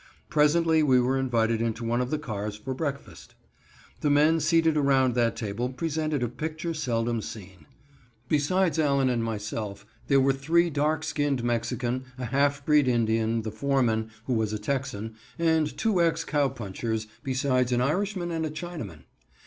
Presently we were invited into one of the cars for breakfast. The men seated around that table presented a picture seldom seen. Besides Allen and myself, there were three dark skinned Mexicans, a half breed Indian, the foreman, who was a Texan, and two ex cowpunchers, besides an Irishman and a Chinaman.